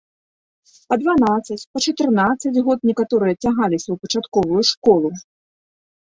Па дванаццаць, па чатырнаццаць год некаторыя цягаліся ў пачатковую школу.